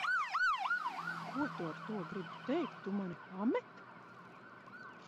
Ko tu ar to gribi teikt, tu mani pamet?